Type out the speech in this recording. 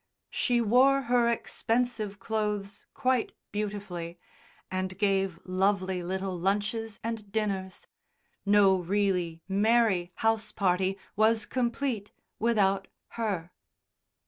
She wore her expensive clothes quite beautifully, and gave lovely little lunches and dinners; no really merry house party was complete without her.